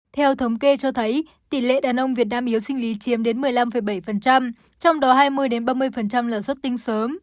theo thống kê cho thấy tỷ lệ đàn ông việt nam yếu sinh lý chiếm đến một mươi năm bảy trong đó hai mươi ba mươi lợn xuất tinh sớm